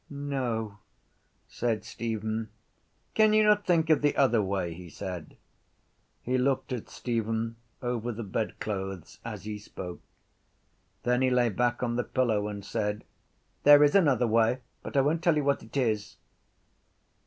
—No, said Stephen. —Can you not think of the other way? he said. He looked at Stephen over the bedclothes as he spoke. Then he lay back on the pillow and said: —There is another way but I won’t tell you what it is.